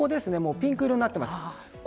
ピンク色になっています。